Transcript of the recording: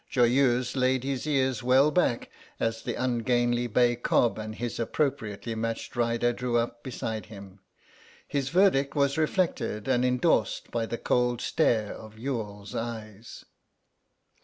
Joyeuse laid his ears well back as the ungainly bay cob and his appropriately matched rider drew up beside him; his verdict was reflected and endorsed by the cold stare of Youghal's eyes.